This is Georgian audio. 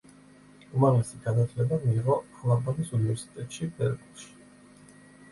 უმაღლესი განათლება მიიღო ალაბამის უნივერსიტეტში, ბერკლში.